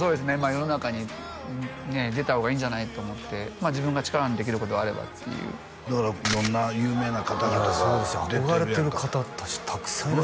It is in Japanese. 世の中に出た方がいいんじゃないと思って自分が力にできることがあればっていうだから色んな有名な方々が憧れてる方達たくさんいますね